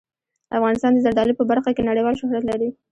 افغانستان د زردالو په برخه کې نړیوال شهرت لري.